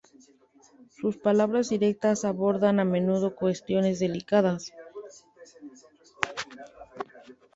Sus palabras directas abordan a menudo cuestiones delicadas.